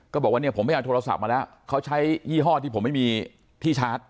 บอกว่าเนี่ยผมไม่เอาโทรศัพท์มาแล้วเขาใช้ยี่ห้อที่ผมไม่มีที่ชาร์จ